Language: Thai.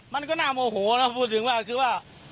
มันก็น่าโมโหนะพูดถึงว่า